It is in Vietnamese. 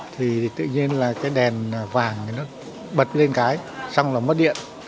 thì tự nhiên là cái đèn vàng nó bật lên cái xong là mất điện